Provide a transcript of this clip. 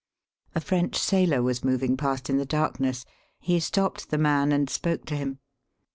A French sailor was moving past in the darkness. He stopped the man and spoke to him.